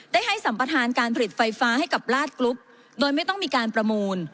ได้ให้สัมประธานการผลิตไฟฟ้าให้กับลาดกรุ๊ปโดยไม่ต้องมีการประมูล